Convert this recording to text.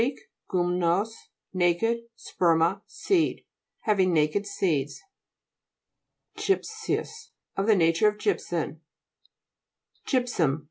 gurnnos, naked, sperma, seed. Having naked seeds. GY'PSEOUS Of the nature of gypsum. GT'PSUM (jVp suw).